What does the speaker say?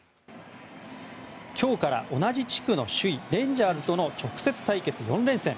今日から同じ地区の首位レンジャーズとの直接対決４連戦。